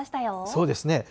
そうですね。